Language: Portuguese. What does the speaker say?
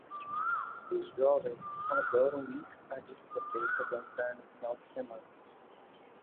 Os jovens adoram ir à discoteca dançar no fim de semana.